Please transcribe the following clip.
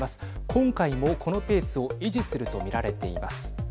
今回も、このペースを維持すると見られています。